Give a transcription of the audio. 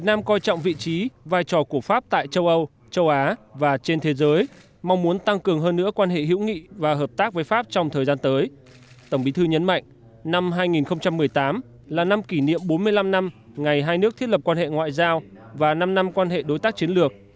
tổng bí thư nhấn mạnh năm hai nghìn một mươi tám là năm kỷ niệm bốn mươi năm năm ngày hai nước thiết lập quan hệ ngoại giao và năm năm quan hệ đối tác chiến lược